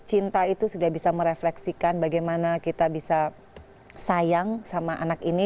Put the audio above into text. cinta itu sudah bisa merefleksikan bagaimana kita bisa sayang sama anak ini